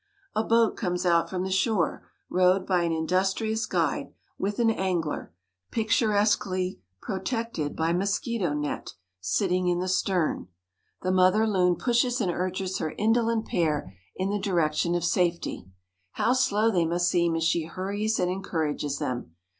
A boat comes out from the shore, rowed by an industrious guide, with an angler, picturesquely protected by mosquito net, sitting in the stern. The mother loon pushes and urges her indolent pair in the direction of safety. How slow they must seem as she hurries and encourages them!